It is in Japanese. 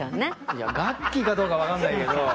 いやガッキーかどうか分かんないけど。